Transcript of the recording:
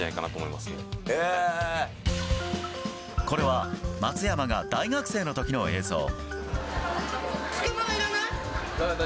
これは松山が大学生の時の映像。